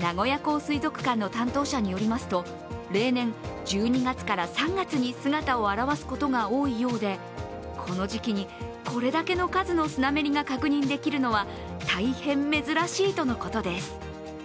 名古屋港水族館の担当者によりますと、例年、１２月から３月に姿を現すことが多いようでこの時期にこれだけの数のスナメリが確認できるのは大変珍しいとのことです。